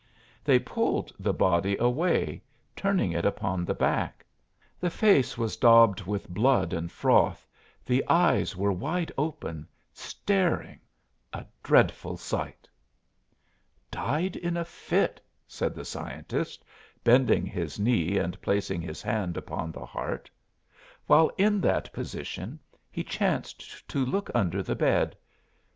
They pulled the body away, turning it upon the back. The face was daubed with blood and froth, the eyes were wide open, staring a dreadful sight! "Died in a fit," said the scientist, bending his knee and placing his hand upon the heart. While in that position, he chanced to look under the bed.